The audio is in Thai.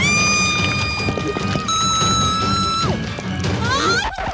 เฮ้ย